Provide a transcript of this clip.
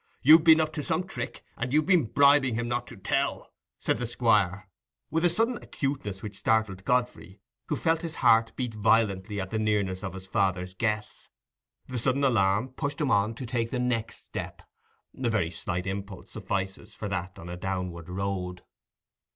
You've been up to some trick, and you've been bribing him not to tell," said the Squire, with a sudden acuteness which startled Godfrey, who felt his heart beat violently at the nearness of his father's guess. The sudden alarm pushed him on to take the next step—a very slight impulse suffices for that on a downward road.